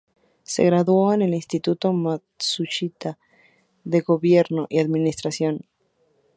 Se graduó en el Instituto Matsushita de Gobierno y Administración.